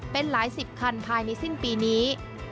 เป็นหลายสิบคันภายในสิ้นปีนี้